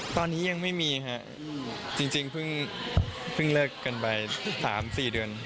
ตอนนี้ยังไม่มีครับจริงเพิ่งเลิกกันไป๓๔เดือน